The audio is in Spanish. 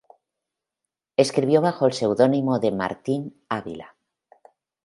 Escribió bajo el seudónimo de Martín Ávila.